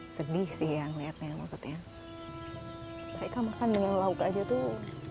sedih siang lihatnya maksudnya hai mereka makan dengan log aja tuh